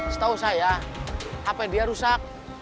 setahu saya hp dia rusak